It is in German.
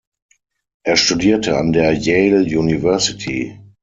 Er studierte an der Yale University.